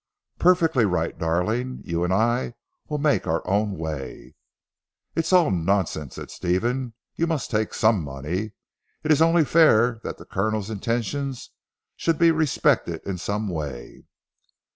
"Perfectly right, darling. You and I will make our own way." "It's all nonsense," said Stephen, "you must take some money. It is only fair that the Colonel's intentions should be respected in some way."